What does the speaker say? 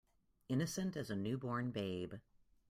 Innocent as a new born babe.